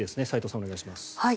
斎藤さん、お願いします。